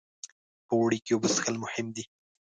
په اوړي کې اوبه څښل مهم دي.